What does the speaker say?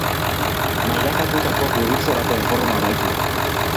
Mailakatutako gurutze baten forma baitu.